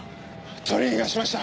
取り逃がしました。